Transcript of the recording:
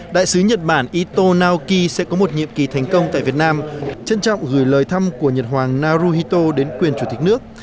đại sứ nhật bản ito naoki sẽ có một nhiệm kỳ thành công tại việt nam trân trọng gửi lời thăm của nhật hoàng naruhito đến quyền chủ tịch nước